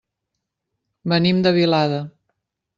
Venim de Vilada.